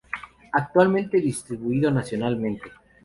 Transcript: Actualmente distribuido nacionalmente.